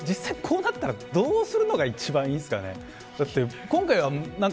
実際こうなったらどうするのが一番いいんですかね。